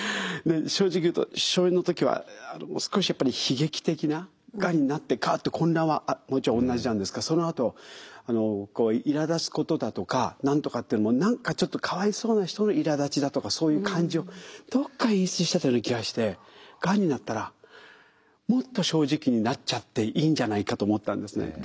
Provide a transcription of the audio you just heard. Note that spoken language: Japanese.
正直言うと初演の時は少しやっぱり悲劇的ながんになってガッと混乱はもちろん同じなんですがそのあといらだつことだとかなんとかっていうのも何かちょっとかわいそうな人のいらだちだとかそういう感じをどっか演出してたような気がしてがんになったらもっと正直になっちゃっていいんじゃないかと思ったんですね。